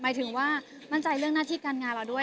หมายถึงว่ามั่นใจเรื่องหน้าที่การงานเราด้วย